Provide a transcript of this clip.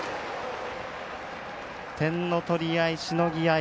点の取り合い、しのぎ合い。